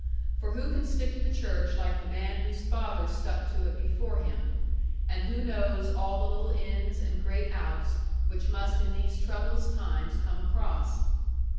For who can stick to the church like the man whose father stuck to it before him; and who knows all the little ins, and great outs, which must in these troublous times come across?